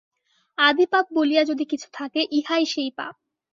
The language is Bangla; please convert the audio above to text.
আদি পাপ বলিয়া যদি কিছু থাকে, ইহাই সেই পাপ।